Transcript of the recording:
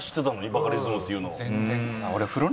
バカリズムというのを。